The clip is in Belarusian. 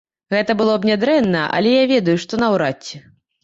Гэта было б нядрэнна, але я ведаю, што наўрад ці!